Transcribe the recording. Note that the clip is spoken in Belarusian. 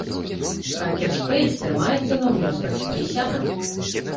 Хакерспэйс трымаецца на ўнёсках сваіх сябраў.